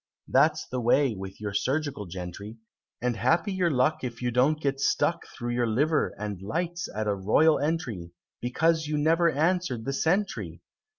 That's the way with your surgical gentry! And happy your luck If you don't get stuck Through your liver and lights at a royal entry, Because you never answer'd the sentry!